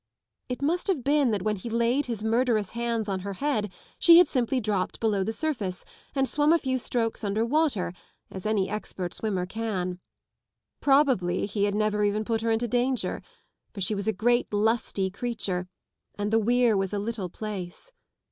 It must have been that when he laid his murderous bands on her head she had simply dropped below the 116 surface and swum a lew strokes under water as any expert swimmer can. Probably he bad never even put her into danger, for she was a great lusty creature and the weir was a little place.